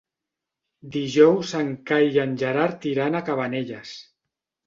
Dijous en Cai i en Gerard iran a Cabanelles.